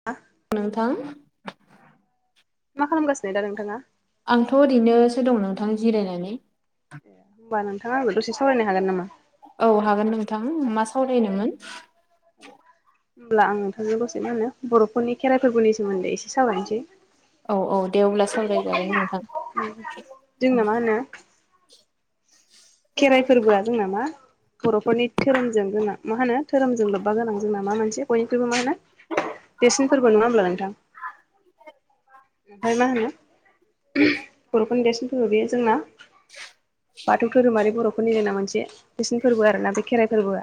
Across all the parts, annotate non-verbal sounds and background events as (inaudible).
(unintelligible) नोंथां मा खालामगासिनो दा नोंथाङा? आंथ' ओरैनोसो दं नोंथां जिरायनानै। होम्बा नोंथाङा आरोबो दसे सावनो हागोन नामा? औ हागोन नोंथां मा सावरायनोमोन? होमब्ला आं नोंथांजों दसे मानो बर'फोरनि खेराइ फोरबोनि सोमोन्दै एसे सावरायनोसै औ औ दे अब्ला सावरायजागोन नोंथां जोंना मा होनो खेराइ फोरबोआ जों ना मा? बर'फोरनि धोरोमजों गोनां मा होनो धोरोमजों लोब्बा गोनां जोंना मा म मोनसि बयनिख्रुइबो मा होनो? देरसिन फोरबो नङा होमब्ला नोंथां? (inaudible) आरो मा होनो बर 'फोरनि देरसिन फोर बेयो जोंना बाथौ धोरोमारि बर'फीरनि रायना मोनसे देरसिन फोरबो आर ना बे खेराइ फोरबोआ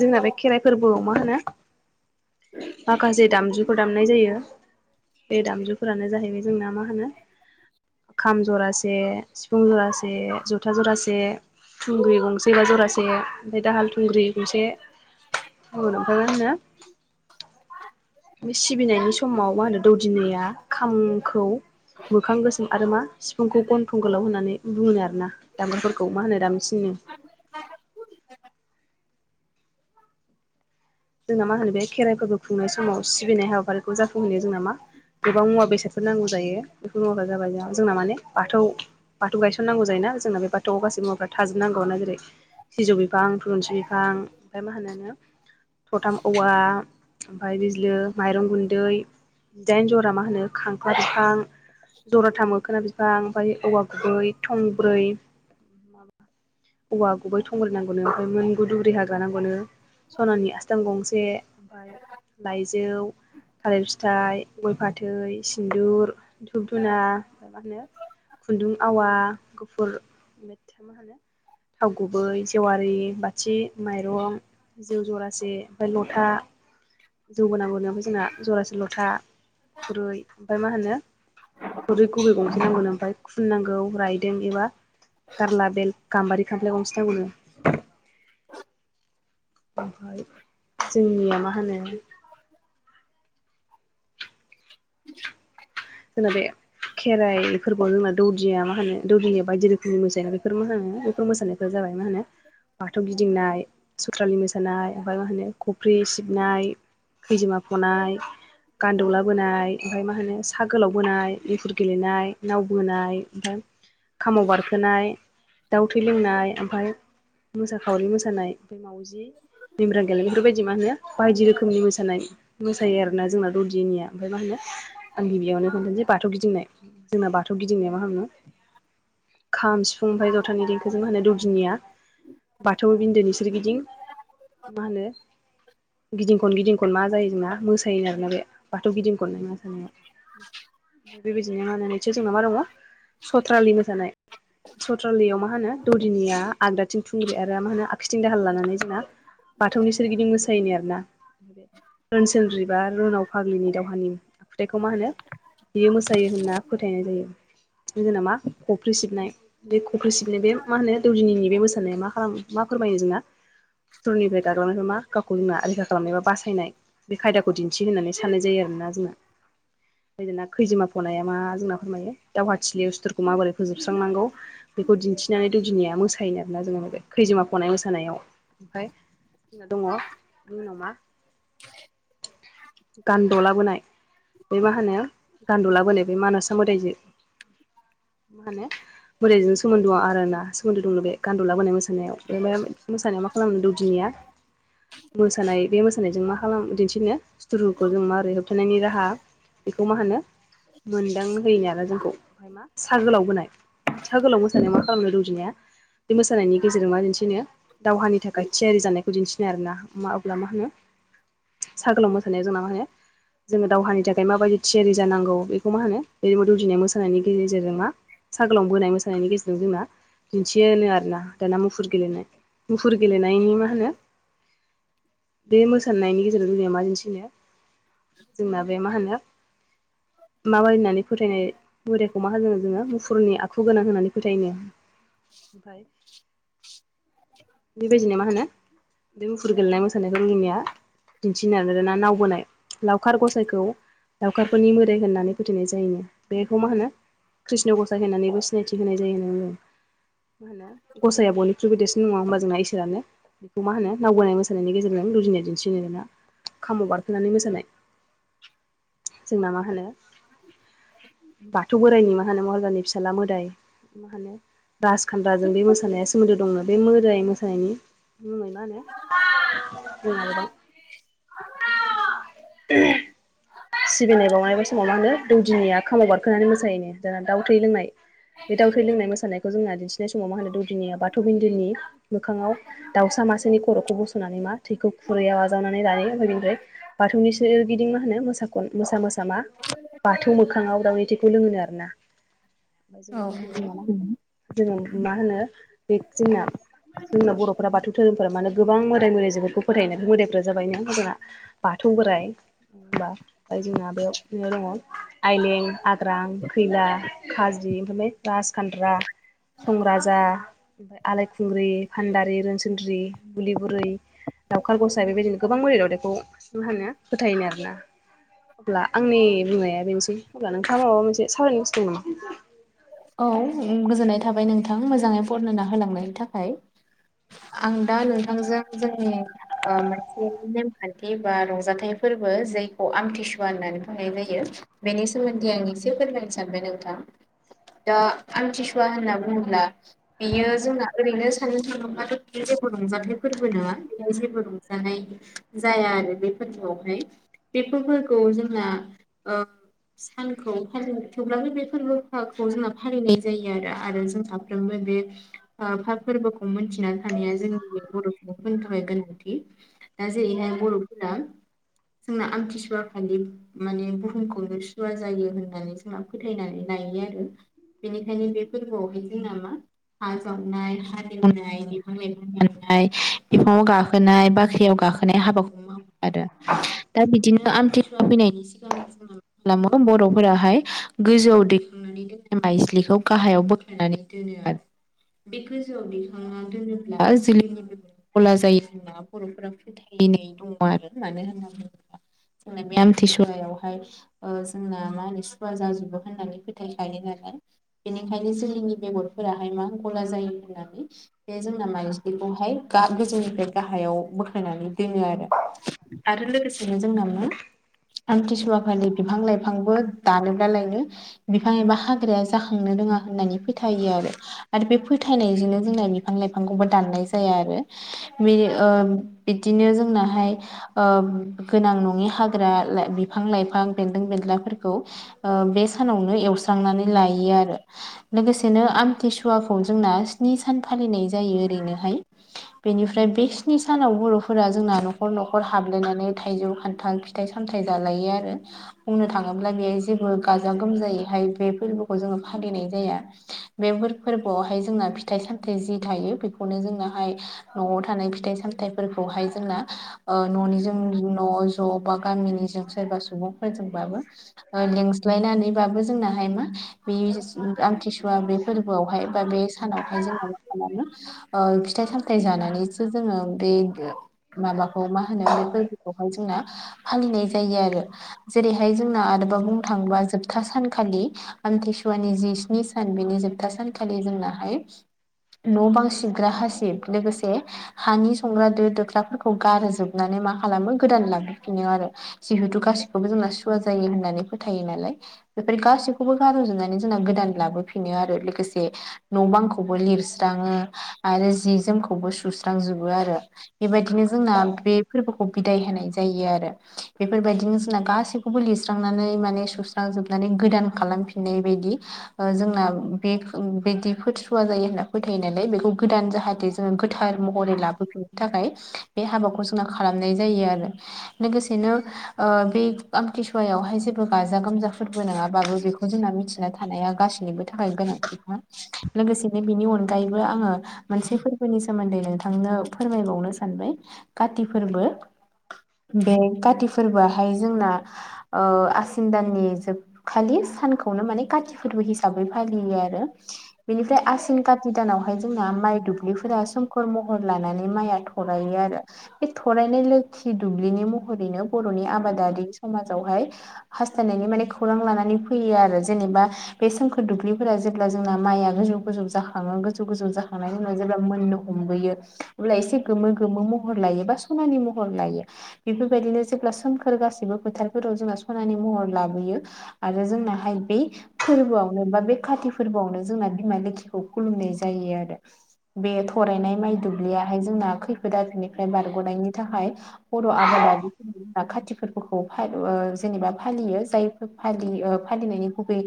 जोंना बे खेराइ फोरबोआव मा होनो माखासे दामजुखौ दामनाय जायो बे द फोरानो जाहैबाय जोंना मा होनो खाम जरासे सिफुं जरासे जथा जरासे थुंग्रि गंसे बा जरासे ओमफ्राय दाहाल थुंग्रि गंसे मा होनो? बे सिबिनायनि समाव मा होनो दौदिनिया फंखौ मोखां गोसोम आरो मा सिफुंखौ गन्थं गोलाव होननानै बुङो आरोना? दामोनफोरखौ मा होनो दामसिनो (inaudible) जोंना मा होनो बे खेराइ फोरबो खुंनाय समाव सिबिनाय हाबाफारिखौ जाफुंहैयो जोंना मा? गोबां मुवा बेसादफोर नांगौ जायो बेफोर मुवाफोरा जाबाय जोंहा जोंना माने बाथौ बाथौ गायसनांगौ जायोना जोंना बे बाथौआव गासै मुवाफोरा थाजोबनांगौ ना जेरै सिजौ बिफां थुरुनसि बिफां ओमफ्राय मा होनोनो थथाम औवा ओमफ्राय बिदिनो माइरं गुन्दै दाइन जरा मा होनो खांख्ला बिफां जरा थामो खोना बिफां ओमफ्राय औवा गुबै थंब्रै औवा गुबै थंब्रै नांगौनो ओमफ्राय मोनगु दुब्रि हांग्रा- नांगौनो स'नानि आसथाम गंसे ओमफ्राय लाइजौ थालिर फिथाइ गय फाथै सिन्दुर धुप धुना माबा होनो खुन्दुं आवा गुफुर। (unintelligible) थाव गुबै जेवारि बाथि माइरं जौ जरासे ओमफ्राय लथा जौबोनांगौनो ओमफ्राय जोंना जरासे लथा खुरै ओमफ्राय मा होनो खुरै गुबै गंसे नांगौनो ओमफ्राय खुननांगौ रायदों एबा गारला बेल गामबारि खामप्लाइ गंसे नांगोनो - ओमफाय जोंनिया मा होनो जोंना बे खेराइ फोरबो जोंना दौदिया मा होनो दौदिनिया बायदि रोखोमनि मोसाया बेफोर मा होनो बेफोर मोसानाय जाबाय मा होनो बाथौ गिदिंनाय सुथ्रालि मोसानाय ओमफ्राय मा होनो खफ्रि सिबनाय खैजोमा फनाय गान्दौलाबोनाय ओमफ्राय मा होनो सा गोलाव बोनाय एंखुर गेलेनाय नाव बोनाय ओमफ्राय खामाव बारखोनाय दाउ थै लोंनाय ओमफ्राय मोसाखावरि मोसानाय ओमफ्राय मावजि मेमब्रां गेलेनाय बेफोरबायदि मा होनो बायदि रोखोमनि मोसानाय मोसायो आरोना जोंना दौदिनिया ओमफ्राय मा होनो आं गिबियावनो होनदों जे बाथौ गिदिंनाय जोंना बाथौ गिदिंनाया मा होनो खाम, सिफुं ओमफ्राय जथानि देंखोजों मा होनो दौदिनिया बाथौ बिन्दोनि सोरगिदिं मा होनो गिदिं खन गिदिं खन मा जायो जोंना मोसायोनो आरोना बे बाथौ गिदिं खननाय मोसानायाव बेबायदिनो मा होनो निसय जोंनाव मा दङ सथ्रालि मोसानाय सत्रालियाव मा होनो दौदिनिया आगदाथिं थुंग्रि आरो मा होनो आगसिथिं दाहाल लानानै जोंना बाथौनि सोरगिदिं मोसायोनो आरोना रोनसोनद्रिबा रोनाव फाग्लिनि दावहानि खौ मा होनो बियो मोसायो होनना फोथायनाय जायो जेनामा खफ्रि सिबनाय बे कख्रि सिबनो बे मा होनो दौदिनि बे मोसानाया मा खालामो मा फोरमायो जोंना सुथुरनिफ्राय दागलांनायखौ मा गावखौ (unintelligible) रैखा खालामनाय बा बासायनाय बे खायदाखौ दिन्थि होननानै साननाय जायो आरोना जोङो। दा खैजिमा फनाया मा जोंना फोरमायो दावहाथिलियाव सुथुरखौ माबोरै फोजोबस्रांनांगौ बेखौ दिन्थिनानै दौदिनिया मोसायोनो आरोना जोंना खैजोमा फनाय मोसानायाव ओमफ्राय (unintelligible) दङ बिनि उनाव मा गानद'लाबोनाय बे मा होनो गान्दुला बोनाय बे मानसा मोदायजों मा होनो मोैदायजों सोमोन्दों आरो ना सोमोन्दो दं बे गान्द'लाबोनाय मोसानायाव बे मोसानायाव मा खालामनो दौदिनिया मोसानाय बे मोसानायजों मा खालाम दिन्थिनो सथुरुखौ जों माबोरै होबथानायनि राहा बेखौ मा होनो मोनदां होयोना आरो जोंखौ ओमफ्राय मा साहा गोलाव होनाय सा गोलावबो मोसानायाव मा खालामनो दौदिनिया बे मोसानायनि गेजेरजों मा दिन्थियोनो दावहानि थाखाय थियारि जानायखौ दिन्थिनाय आरो ना मा अब्ला मा होनो सागोलाव मो सानायाव जोंनाव मा होयो जोङो दावहानि थाखाय माबायदि थियारि जानांगौ बेखौ मा होनो (unintelligible) दौदिनाय मोसानायनि गेजेरजों मा सागोलाव बोनाय मोसानायनि गेजेरजों जोंना दिन्थियोनो आरोना दाना मुफुर गेलेनाय मुफुर गेलेनायनि मा होनो बे मोसानायनि गेजेरजों जोंना मा दिन्थि यो जोंना बे मा होनो माबायनानै फोथायनाय बोरायखौ मा हो जोङो मुफुरनि आखु गोनां होनानै फोथायोनो ओमफ्राय बेबायदिनो मा होनो बे मुफुर गेलेनाय मोसानायखौ जोंनिया दिन्थिनो आरो (unintelligible) नावबोनाय लावखार गसाइखौ लावखारफोरनि मोदाय होननानै फोथायनाय जायोनो बेखौ मा होनो कृष्ण गसाइ होननानैबो सिनायथि होनाय जायो होनदों। मा होनो गसाया बयनिख्रुइबोदेरसिन नङा होमबा जोंना इसोरानो। बेखौ मा होनो नाव बोनाय मोसानायनि गेजेरजों लुदिनाय दिन्थिनो मोनोना खामाव बारखोनानै मोसानाय जोंना मा होनो (inaudible) बाथौ बोराइनि मा होनो महाराजानि फिसाज्ला मोदाय मा होनो राजखान्द्राजों बे मोसानाया सोमोन्दो दङ बे मोदाय मोसानायनि मुङै मा होनो (unintelligible) (inaudible) सिबिनाय बावनाय बा समाव मा होनो दौदिनिया खामाव गारखोनानै मोसाहनि जों दाउ थै लोंनाय बे दावउथै लोंनाय मोसानायखौ जोंना दिन्थिनाय समाव मा होनो दौदिनिया बाथौ बिन्दोनि मोखाङाव दाउसा मासेनि खर'खौ बस'नानै मा थैखौ खुरैयाव आजावनानै लायो निफ्राय बाथौनि सोरगिदिं मा होनो मोसाखन मोसा मोसा मा बाथौ मोखाङाव दाउनि थैखौ लोङोनो‌ आरोना ओमफ्राय जोंना मा होनो जोङो मा होनो बे दिना जोंना बर'फोरा बाथौ धोरोमफोरा मानो गोबां मोदायजोफोरखौ फोथायोना बे मोदायफोरा जाबाय ना जोंना बाथौ बोराय होमबा ओमफ्राय जोंना बेयावनो दङ आइलें आग्रां खैला खाजि ओमफ्राय राजखान्द्रा संराजा ओमफ्राय आलायखुंग्रि फानदारि रोनसोनद्रि बुलि बुरै लावउखार गसाय बेबायदिनो गोबां मोदाय दावदायखौ मा होनो फोथायोनो आरोना अब्ला आंनि बुंनाया बेनोसै अब्ला नोंथाङा माबा मोनसे सावरायनो गोसो दं नामा? औ ओम गोजोननाय थाबाय नोंथां मोजाङै बरनायना होलांनायनि थाखाय आं दा नोंथांजों जोंनि मोनसे नेमखान्थि बा रंजाथाइ फोरबो जायखौ आमथिसुवा होननानै बुंनाय जायो। बेनि सोमोन्दै आं एसे फोरमायनो सानदों नोंथां। दा आमथिसुवा होन्ना बुङोब्ला बेयो जोंना ओरैनो सानो थानोबाथ बियो जेबो रंजाथानाय फोरबो नङा बेयो जेबो रंजानाय जाया आरो बे फोर्बोआवहाय बे फोर्बोखौ जोंना ओ सानखौ फालि थेवब्लाानो बे फोरबो (unintelligible) खौ जोंना फालिनाय जायो आरो आरो जों साफ्रोमबो बे ओ फा फोरबोखौ मोनथिना थानाया जोंनि बर'फोरनि थाखाय गोनांथि दा जेरैहाय बर'फोरना‌ जोंना आमथिसुवा खालि माने बुहुमखौनो सुवा जायो होननानै जोंना फोथायनानै लायो आरो बेनिखायनो बे फोरबोआवहाय जोंना मा हा जावनाय हा (unintelligible) बिफां लाइफां दान्नाय बिफांआव गाखोनाय बाख्रियाव गाखोनाय हाबाखौ माव आरो दा बिदिनो आमथिसुवा फैनायनि सिगां जोङो मा खालामो बर'फोराहाय गोजौआव ननि दोनग्रा माइज्लिखौ गाहायाव बोख्लायनानै दोनो आरो। बे गोजौआव दैखांना दोनोब्ला (unintelligible) गला जायो बर'फोरा फोथायनाय दङ आरो मानो होनना बुङोब्ला जोंना बे आमथिसुवायावहाय जोंना मा होनो सुवा जाजोबो होननानै फो फोथायखायो नालाय बेनिखायनो जोलैनि बेगरफोराहाय मा गला जायो होननानै बे जोंना माइज्लिखौहाय गा गोजौनिफ्राय गाहायाव बोख्लायनानै दोनो आरो। आरो लोगोसेनो जोंना मा आंथिसुवा खालि बिफां लाइफांबो दानोब्ला लायनो बिफां एबा हाग्राया जाखांनो रोङा होननानै फोथायो आरो आरो बे फोथायनायजोंनो जोंना बिफां लाइफांखौबो दाननाय जाया आरो मि ओ बिदिनो जोंनाहाय ओ गोनां नङि हाग्रा बिफां लाइफां बेन्दों बेन्लाफोरखौ बे सानावनो एवस्रांनानै लायो आरो। लोगोसेनो आमथिसुवाखौ जोंना स्नि सान फालिनाय जायो ओरैनोहाय। बेनिफ्राय बे स्नि सानाव बर'फोरा जोंना न'खर न'खर हाबलायनानै थाइजौ खान्थाल थाइ सामथायाइ जालायो आरो बुंनो थाङोब्ला बेहाय जेबो गाजा गोमजायै हाय बे फोरबोखौ जोङो फालिनाय जाया। बे बोरफोर फोरबोआवहाय जोंना फिथाइ सामथायाइ जि थायो बेखौनो जोंनाहाय न'आव थानाय फिथाइ सामथायाइफोरखौहाय जोंना ओ न'नि जों न' ज' बा गामिनिजों सोरबा सुबुंफोरजोंबाबो ओ लिंस्लायनानैबाबो ज जोंनाहाय मा बे आमथिसुवा बे फोरबोआवहाय बा बे सानावहाय जोंना मा खालामो ओ फिथाइ सामथाय जानानैसो जोङो बैब ओ माबाखौ मा होनो बे फोरबोखौहाय जोंना फालिनाय जायो आरो। जेरैहाय जोंना आरोबाव बुंनो थाङोबा जोबथा सान खालि आमतिसुवानि जि स्नि सान बेनि जोबथा सानखालि जोंनाहाय न' बांसिग्रा हासिब लोगोसे हानि संग्रा दो दोख्राफोरखौ गारोजोबनानै मा खालामो गोदान लाबोफिनो आरो। जिहेथु गासिखौबो जोंना सुवा जायो होननानै फोथायो नालाय। बेफोर गासैखौबो गार'जोबनानै जोंना गोदानै लाबोफिनो आरो लोगोसे न' बांखौबो लिरस्राङो आरो जि जोमखौबो सुस्रांजोबो आरो। बेबायदिनो जोंना बे फोरबोखौ बिदाय होनाय जायो आरो। बेफोरबायदिनो जोंना गासैखौबो लिरस्रांनानै माने सुस्रांजोब माने गोदान खालामफिननाय बायदि। ओ जोंना बे बिदि फोथुवा जायो होनना फोथायो नालाय बेखौ गोदान जाहाथे ज जों गोथार महरै लाबोफिननो थाखाय बे हाबाखौ जोंना खालामनाय जायो आरो। लोगोसेनो ओ बे आमथिसुवायावहाय जेबो गाजा गोमजाख फोरबो नङाबाबो बेखौ जोंना मिथिना थानाया गासिनिबो थाखाय गोनांथिखा। लोगोसेबो बिनि अनगायैबो आङो मोनसे फोरबोनि सोमोन्दै नोंथांनो फोरमायबावनो सानबाय काति फोरबो बे काति फोरबोआहाय जोंना आसिन दाननि जोब खालि सानखौनो माने काति फोरबो हिसाबै फालियो आरो। बेनिफ्राय आसिन काति दानावहाय जोंना माइ दुब्लिफोरा सोमखोर महर लानानै माइआ थ थरायो आरो बे थरायनाय लोखि दुब्लिनि महरैनो बर'नि आबादारि समाजावहाय हास्थायनायनि माने खौरां लानानै फैयो आरो जेनेबा बे सोमखोर दुब्लिफोरा जेब्ला जोंना माइआ गोजौ गोजौ जाखाङो गोजौ गोजौ जाखांनाय जोंनाव जेब्ला मोनोब हमबोयो अब्ला एसे गोमो गोमो महर लायो बा सनानि महर लायो। बेफोरबायदिनो जेब्ला सोमखोर गासैबो फोथारफोराव जोंना सनानि महर लाबोयो। आरो जोंनाहाय बे फोरबोआवनो बा बे काति फोरबोआवनो जोंना बिमा लोखिखौ खुलुमनाय जायो आरो। बे थरायनाय माइ दुब्लियाहाय जोंना खैफोद आफोदनिफ्राय बारग'नायनि थाखाय बर' आबादा बे काति फोरबोखौ फायलब ओ जेनेबा फालियो जाय फालि फालिनायनि गुबै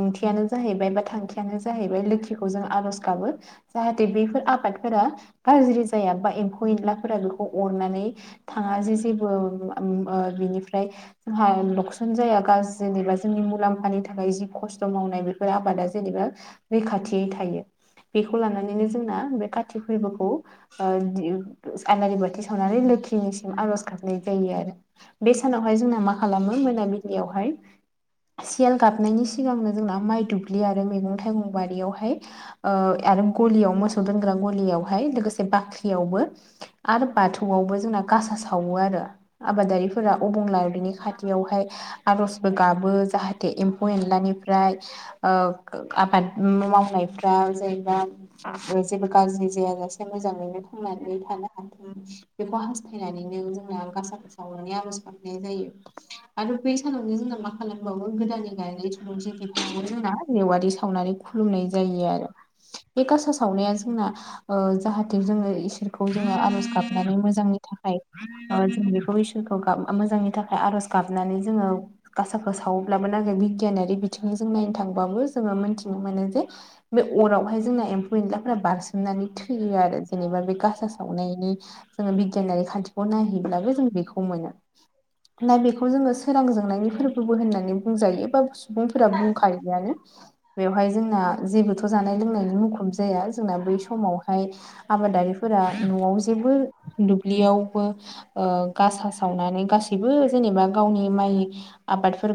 ओंथियानो जाहैबाय बा थांखियानो जाहैबाय लोखिखौ जों आर'ज गाबो। जाहाथे बेफोर आबादफोरा गाज्रि जाया बा एम्फौ एनलाफोरा बेखौ अरनानै थाङा जे जेबो ओम उम बिनिफ्राय जोंहा लकसन जाया गाज जों जेब्ला जोंनि मुलाम्फानि थाखाय जि खस्थ' मावनाय बेफोर आबादा जेनेबा रैखाथियै थायो बेखौ लानानैनो जोंना बे काति फोरबोखौ ओ दिब आलारि बाथि सावनानै लोखिनिसिम आर'ज गाबनाय जायो आरो। बे सानावहाय जोंना मा खालामो मोनाबिलियावहाय सियाल गाबनायनि सिगांनो जोंना माइ दुब्लि आरो मैगं थाइगं बारियावहाय ओ आरो गलियाव मोसौ दोनग्रा गलियावहाय लोगोसे बाख्रियावबो आरो बाथौआवबो जोंना गासा सावो आरो। आबादारिफोरा अबंलाउरिनि खाथियावहाय आर'ज बयबो गाबो जाहाथे एम्फौ एनलानिफ्राय आबाद मावनायफ्रा जेनेबा जेबो गाज्रि जायाजासे मोजाङैनो थांनानै थानो हाथों बेखौ हास बायनानैनो जोंना गासाखौ सावनानै आर'ज खालामफैनाय जायो आरो बै सानावनो जोंना मा खालामबावो गोदानै गायनाय (unintelligible) जोंना जेवारि सावनानै खुलुमनाय जायो आरो बे गासा सावनाया जोंना जाहाथे जोङो इसोरखौ जोङो आर'ज गाबनानै मोजांनि थाखाय जों बेखौसोर खौ मोजांनि थाखाय आर'ज गाबनानै जोङो गासाखौ सावोब्लाबो नांगिर बिगियानारि बिथिंजों जों नायनो थांबाबो जोङो मोनथिनो मोनो जे बे अरावहाय जोंना एम्फौ एनलाफोरा बारसोमनानै थैयो आरो जेनेबा बे गासा सावनायनि जोङो बिगियानारि खाान्थिखौ नायहैब्लाबो जों बेखौ मोनो ना बेखौ जोङो सोरां जोंनायनि बो होननानै बुंजायो बा सुबुंफोरा बुंखायोआनो बेवहाय जोंना जेबोथ' जानाय लोंनायनि मुखुब जाया जोंना बै समावहाय आबादारिफोरा न'आव जेबो दुब्लियावबो गासा सावनानै गासैबो जेनेबा गावनि माइ आबाद